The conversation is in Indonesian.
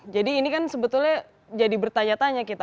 jadi ini kan sebetulnya jadi bertanya tanya kita